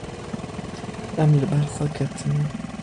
Em li ber xwe ketine.